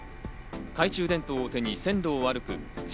懐中電灯を手に線路を歩くＪＲ